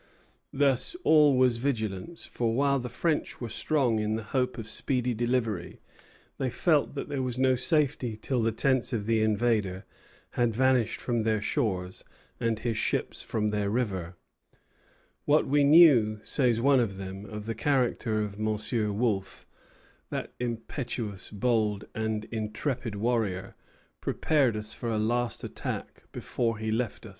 Thus all was vigilance; for while the French were strong in the hope of speedy delivery, they felt that there was no safety till the tents of the invader had vanished from their shores and his ships from their river. "What we knew," says one of them, "of the character of M. Wolfe, that impetuous, bold, and intrepid warrior, prepared us for a last attack before he left us." Foligny, Journal mémoratif. Journal tenu à l'Armée, etc.